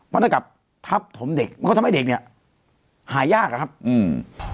มันต้องกลับทับถมเด็กมันก็ทำให้เด็กเนี้ยหายากอะครับอืม